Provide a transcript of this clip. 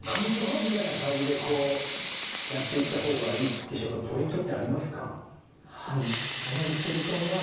みたいな感じでこうやっていった方がいいってポイントってありますか？